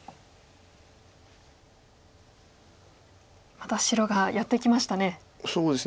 また白がやってきましたね。